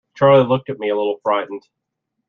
Charley looked at me a little frightened.